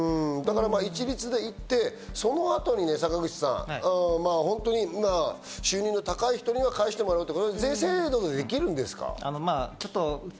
一律で行ってそのあとに、坂口さん、収入の高い人には返してもらうっていう制度ってできるんですか？